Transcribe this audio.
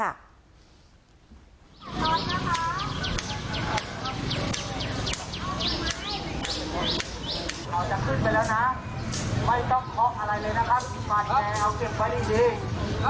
เราจะขึ้นไปแล้วน่ะไม่ต้องเคาะอะไรเลยนะครับ